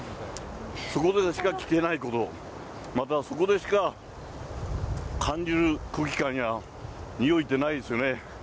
そこでしか聞けないこと、またそこでしか感じる空気感や、においってないですよね。